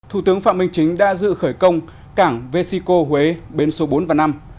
thủ tướng phạm minh chính đã dự khởi công cảng vesico huế bên số bốn và năm